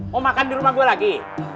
mau makan di rumah gue lagi